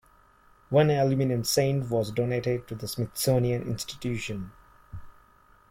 One aluminum cent was donated to the Smithsonian Institution.